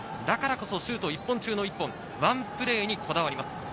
だからこそシュート１本中の１本、ワンプレーにこだわります。